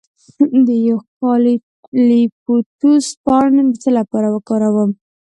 د یوکالیپټوس پاڼې د څه لپاره وکاروم؟